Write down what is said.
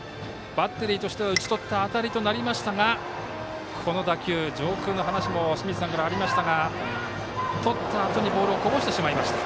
バッテリーとしては打ち取った当たりとなりましたがこの打球、上空の話も清水さんからありましたがとったあとにボールをこぼしてしまいました。